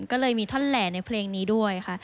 ก็เลยมีท่อนแหล่ในเพลงนี้ด้วยค่ะ